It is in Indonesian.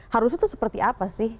harusnya itu seperti apa sih